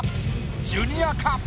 ジュニアか？